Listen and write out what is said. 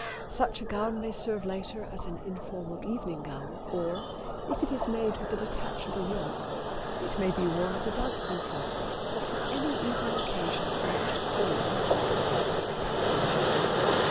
Such a gown may serve later as an informal evening gown, or, if it is made with a detachable yoke, it may be worn as a dancing frock or for any evening occasion for which a full evening gown is expected.